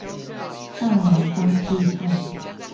大南方計畫